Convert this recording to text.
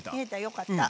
よかった。